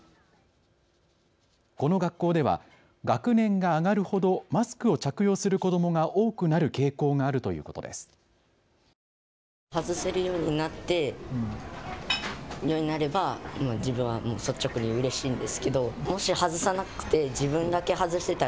この学校では学年が上がるほどマスクを着用する子どもが多くなる傾向があるということです。